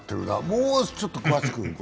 もうちょっと詳しく。